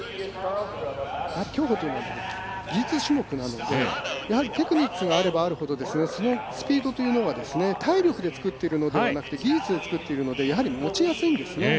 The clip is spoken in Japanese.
競歩というのは技術種目なのでやはりテクニックがあればあるほどそのスピードというのが体力で作っているのではなくて技術で作っているのでもちやすいんですね。